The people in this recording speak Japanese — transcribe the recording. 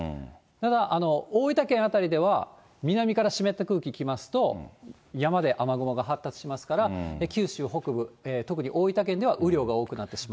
だから大分県辺りでは、南から湿った空気来ますと、山で雨雲が発達しますから、九州北部、特に大分県では雨量が多くなってしまう。